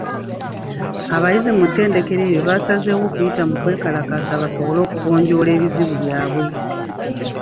Abayizi mu ttendekero eryo baasazeewo kuyita mu kwekalakaasa basobole okugonjoola ebizibu byabwe.